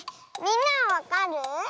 みんなはわかる？